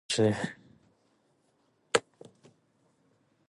Alternative names for Kamtoz are "Camtozi", "Kantozi".